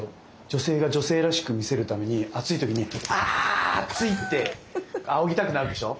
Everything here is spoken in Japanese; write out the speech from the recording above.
女性が女性らしく見せるために暑い時にあっついってあおぎたくなるでしょ。